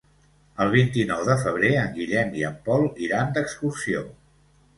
El vint-i-nou de febrer en Guillem i en Pol iran d'excursió.